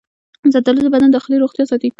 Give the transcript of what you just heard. زردآلو د بدن داخلي روغتیا ساتي.